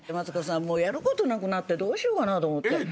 もうやることなくなってどうしようかなと思って。